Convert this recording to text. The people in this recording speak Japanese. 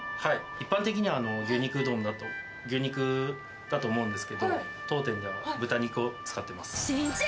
一般的には牛肉だと思うんですけど、当店では豚肉を使ってます。